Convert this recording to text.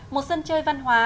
một sân chơi văn hóa